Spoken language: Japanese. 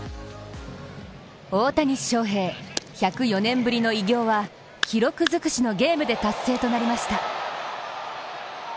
大谷翔平、１０４年ぶりの偉業は、記録尽くしのゲームで達成となりました。